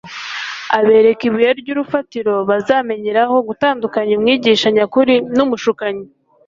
Abereka ibuye ry'urufatiro bazamenyeraho gutandukanya umwigisha nyakuri n'umushukanyi: